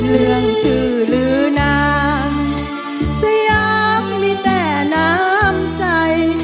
เรื่องชื่อหรือนางสยามมีแต่น้ำใจ